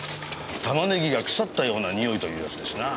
玉ねぎが腐ったようなにおいというやつですな。